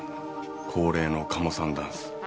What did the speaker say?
恒例のカモさんダンス。